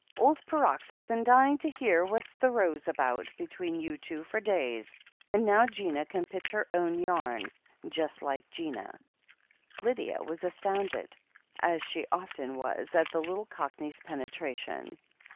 Old Perox has been dying to hear what the row's about be tween you two for days, and now Gina can pitch her own yam. Just like Gina !" Lydia was astoimded, as she often was, at ,the little Cockney's penetration.